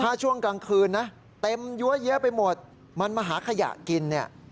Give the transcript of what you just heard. ถ้าช่วงกลางคืนเต็มเยอะแยะไปหมดมันมาหาขยะกิน